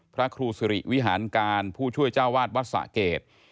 พระครูสิริวิหารการผู้ช่วยเจ้าวาดวัดสะเกด